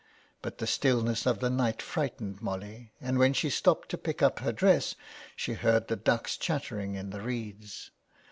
But the still ness of the night frightened Molly, and when she stopped to pick up her dress she heard the ducks chattering in the reeds.